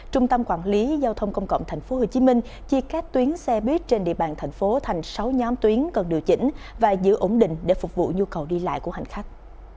trung tâm quản lý giao thông công cộng tp hcm chia các tuyến xe buýt trên địa bàn thành phố thành sáu nhóm tuyến cần điều chỉnh và giữ ổn định để phục vụ nhu cầu đi lại của hành khách